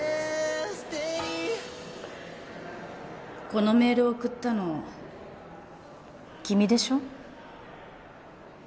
このメール送ったの君でしょ？